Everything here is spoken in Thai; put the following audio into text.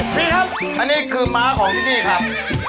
พี่ครับอันนี้คือม้าของที่นี่ครับ